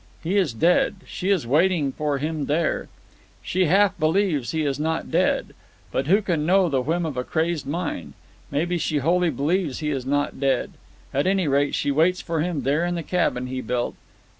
He is dead. She is waiting for him there. She half believes he is not dead. But who can know the whim of a crazed mind? Maybe she wholly believes he is not dead. At any rate, she waits for him there in the cabin he built.